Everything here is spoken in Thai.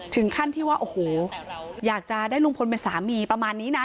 ถึงขั้นที่ว่าโอ้โหอยากจะได้ลุงพลเป็นสามีประมาณนี้นะ